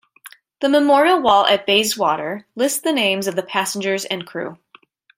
The memorial wall at Bayswater lists the names of the passengers and crew.